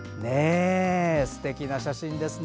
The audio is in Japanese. すてきな写真ですね。